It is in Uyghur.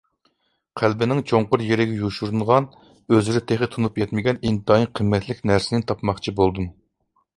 قەلبىنىڭ چوڭقۇر يېرىگە يوشۇرۇنغان، ئۆزلىرى تېخى تونۇپ يەتمىگەن ئىنتايىن قىممەتلىك نەرسىنى تاپماقچى بولدۇم.